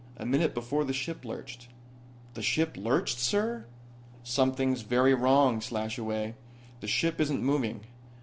"A minute before the ship lurched." "The ship lurched, sir?" "Something's very wrong, Slashaway. The ship isn't moving.